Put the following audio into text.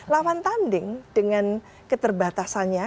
lawan tanding dengan keterbatasannya